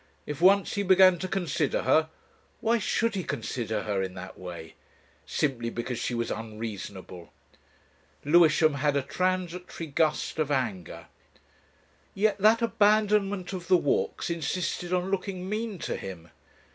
If once he began to consider her Why should he consider her in that way? Simply because she was unreasonable! Lewisham had a transitory gust of anger. Yet that abandonment of the walks insisted on looking mean to him.